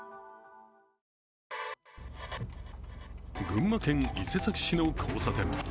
群馬県伊勢崎市の交差点。